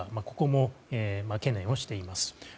ここも懸念をしています。